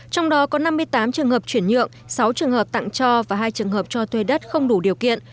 trong đó có năm mươi tám trường hợp chuyển nhượng sáu trường hợp tặng cho và hai trường hợp cho thuê đất không đủ điều kiện